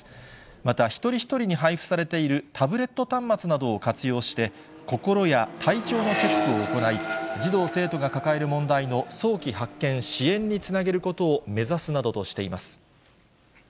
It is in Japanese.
また、一人一人に配布されているタブレット端末などを活用して、心や体調のチェックを行い、児童・生徒が抱える問題の早期発見・支援につなげることを目指すなどとしています。